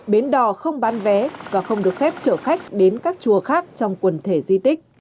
bến đò không bán vé và không được phép chở khách đến các chùa khác trong quần thể di tích